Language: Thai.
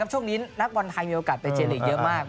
ช่วงนี้นักบอลไทยมีโอกาสไปเจนลีกเยอะมาก